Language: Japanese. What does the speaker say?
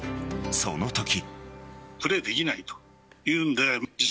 そのとき。